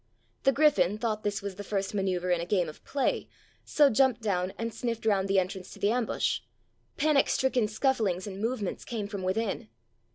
The griffon thought this was the first manoeuvre in a game of play, so jumped down and sniffed round the entrance to the ambush. Panic stricken scufflings and movements came from within.